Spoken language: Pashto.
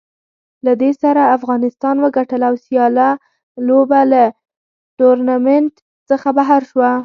له دې سره افغانستان وګټله او سیاله لوبډله له ټورنمنټ څخه بهر شوه